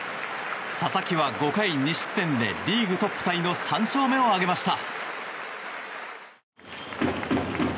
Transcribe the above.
佐々木は５回２失点でリーグトップタイの３勝目を挙げました。